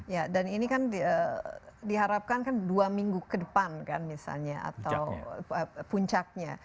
ya dan ini kan diharapkan kan dua minggu ke depan kan misalnya atau puncaknya